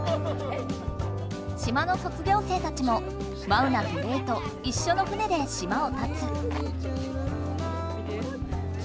島の卒業生たちもマウナとレイといっしょの船で島をたつ。